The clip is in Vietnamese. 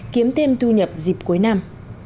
kiếm thêm thu nhập dịp cuối năm